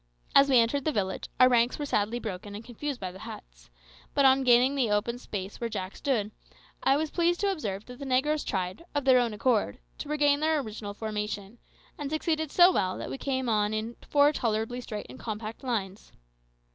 As we entered the village, our ranks were sadly broken and confused by the huts; but on gaining the open space where Jack stood, I was pleased to observe that the negroes tried, of their own accord, to regain their original formation, and succeeded so well that we came on in four tolerably straight and compact lines.